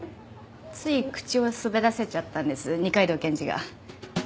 つい口を滑らせちゃったんです二階堂検事が。